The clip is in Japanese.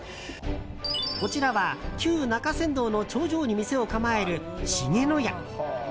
こちらは旧中山道の頂上に店を構える、しげの屋。